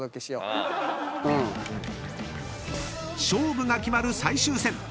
［勝負が決まる最終戦。